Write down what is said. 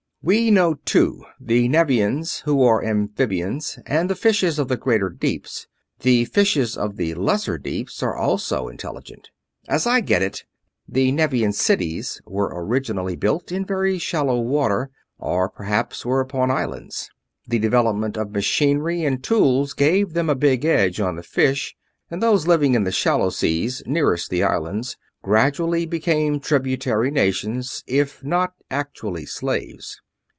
We know two the Nevians, who are amphibians, and the fishes of the greater deeps. The fishes of the lesser deeps are also intelligent. As I get it, the Nevian cities were originally built in very shallow water, or perhaps were upon islands. The development of machinery and tools gave them a big edge on the fish; and those living in the shallow seas, nearest the Islands, gradually became tributary nations, if not actually slaves.